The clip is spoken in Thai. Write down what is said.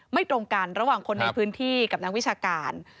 ตรงกันระหว่างคนในพื้นที่กับนักวิชาการ